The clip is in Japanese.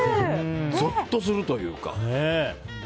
ゾッとするというか。